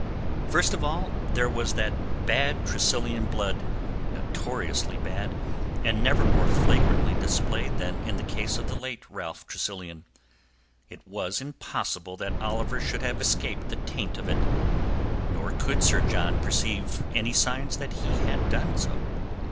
First of all there was that bad Tressilian blood—notoriously bad, and never more flagrantly displayed than in the case of the late Ralph Tressilian. It was impossible that Oliver should have escaped the taint of it; nor could Sir John perceive any signs that he had done so.